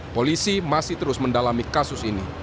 polisi masih terus mendalami kasus ini